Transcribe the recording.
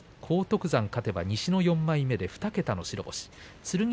荒篤山勝てば西の４枚目で２桁の白星です。